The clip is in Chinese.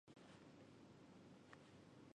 它是全球收入最多的玩具制造商。